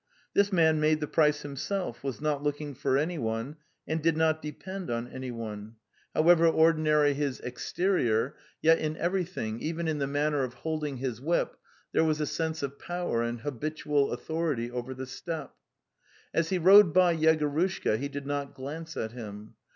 This man made the price himself, was not looking for anyone, and did not depend on anyone; however ordinary his ex The Steppe 267 terior, yet in everything, even in the manner of hold ing his whip, there was a sense of power and habitual authority over the steppe. As he rode by Yegorushka he did not glance at him.